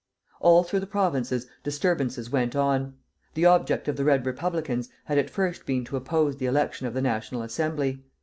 All through the provinces disturbances went on. The object of the Red Republicans had at first been to oppose the election of the National Assembly.